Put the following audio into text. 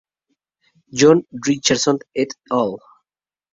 John Richardson et al.